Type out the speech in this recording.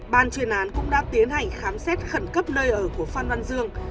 ban chuyên án cũng đã tiến hành khám xét khẩn cấp nơi ở của phan văn dương